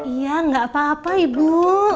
iya nggak apa apa ibu